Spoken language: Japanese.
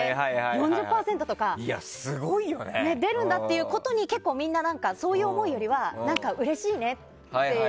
４０％とかが出るんだってことに結構みんなそういう思いよりはうれしいねっていう。